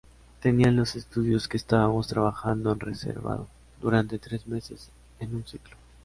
Tenían los estudios que estábamos trabajando en reservado durante tres meses, en un ciclo.